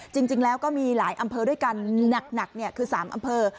จริงแล้วก็มีหลายอำเภอด้วยกันหนักคือ๓อำเภอ